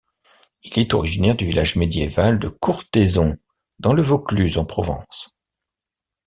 Il est originaire du village médiéval de Courthézon dans le Vaucluse en Provence.